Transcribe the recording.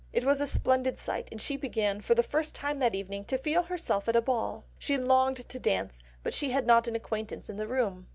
It was a splendid sight, and she began, for the first time that evening, to feel herself at a ball, she longed to dance, but she had not an acquaintance in the room....